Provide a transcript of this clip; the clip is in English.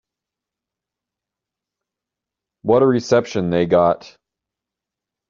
What a reception they got.